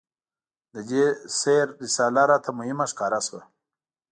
د دې سیر رساله راته مهمه ښکاره شوه.